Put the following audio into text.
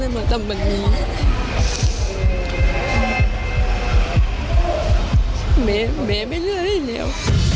แม่แม่ไม่เลือกได้แล้ว